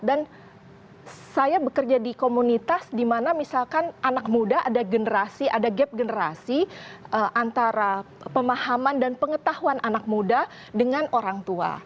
dan saya bekerja di komunitas di mana misalkan anak muda ada generasi ada gap generasi antara pemahaman dan pengetahuan anak muda dengan orang tua